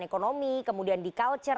ekonomi kemudian di culture